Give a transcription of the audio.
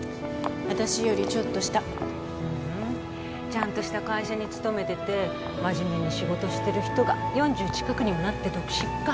ちゃんとした会社に勤めてて真面目に仕事してる人が４０近くにもなって独身か。